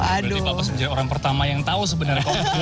berarti pak pas menjadi orang pertama yang tahu sebenarnya